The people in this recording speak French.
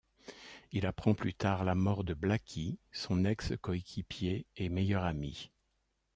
Il apprend plus tard la mort de Blackie, son ex-coéquipier et meilleur ami.